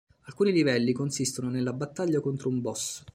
Alcuni livelli consistono nella battaglia contro un boss.